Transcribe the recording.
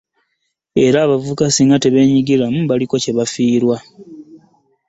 Era abavubuka singa tebeenyigiramu baliko kye bafiirwa.